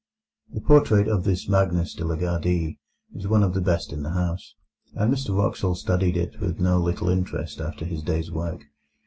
The portrait of this Magnus de la Gardie was one of the best in the house, and Mr Wraxall studied it with no little interest after his day's work.